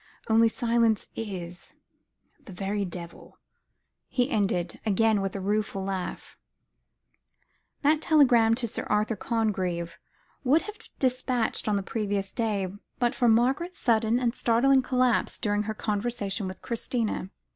Only silence is the very devil," he ended, with again a rueful laugh. That telegram to Sir Arthur Congreve would have been despatched on the previous day, but for Margaret's sudden and startling collapse during her conversation with Christina.